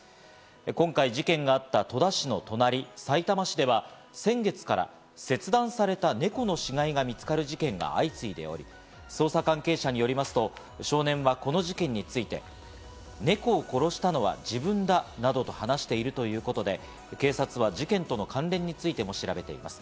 今回事件があった戸田市の隣、さいたま市では先月から切断された猫の死骸が見つかる事件が相次いでおり、捜査関係者によりますと、少年はこの事件について猫を殺したのは自分だなどと話しているということで、警察は事件との関連についても調べています。